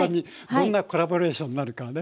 どんなコラボレーションになるかね。